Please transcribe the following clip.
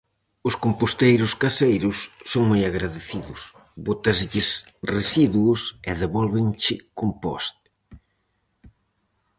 Os composteiros caseiros son moi agradecidos, bótaslles residuos e devólvenche compost.